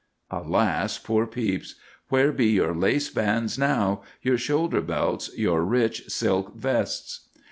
Alas, poor Pepys! Where be your lace bands now? your shoulder belts? your rich silk vests?